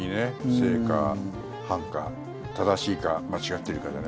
正か反か正しいか間違ってるかでね。